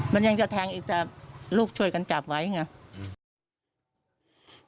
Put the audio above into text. มันยังจะแทงอีกแต่ลูกช่วยกันจับไว้ไง